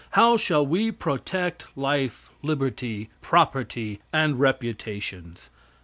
How shall we protect life, liberty, property and reputations?